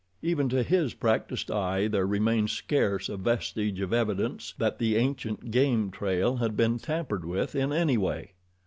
Even to his practiced eye there remained scarce a vestige of evidence that the ancient game trail had been tampered with in any way.